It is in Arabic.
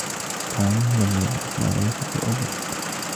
توم لم يعرف ماذا يفعل أولا.